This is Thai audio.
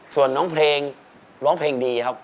ส่วนน้องเพลงร้องเพลงดีครับ